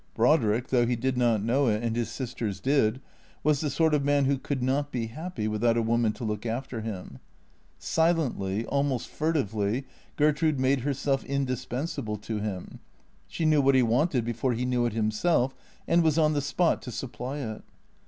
Brodrick, though he did not know it and his sisters did, was the sort of man who could not be happy without a woman to look after him. Silently, almost furtively, Gertrude made herself indispensable to him. She knew what he wanted before he knew it himself, and was on the spot to supply it.